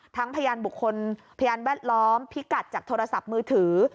พยานบุคคลพยานแวดล้อมพิกัดจากโทรศัพท์มือถือ